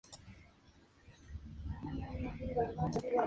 Se dice que veía a la Virgen María.